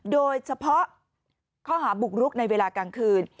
โดยเฉพาะข้อหาบุกรุกในเวลากลางคืน